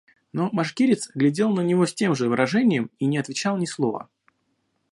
Но башкирец глядел на него с тем же выражением и не отвечал ни слова.